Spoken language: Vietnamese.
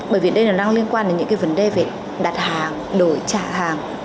bởi vì đây là đang liên quan đến những cái vấn đề về đặt hàng đổi trả hàng